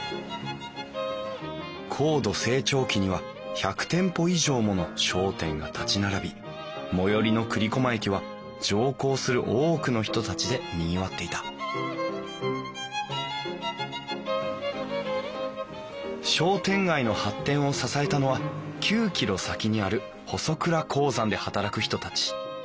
高度成長期には１００店舗以上もの商店が立ち並び最寄りの栗駒駅は乗降する多くの人たちでにぎわっていた商店街の発展を支えたのは９キロ先にある細倉鉱山で働く人たち。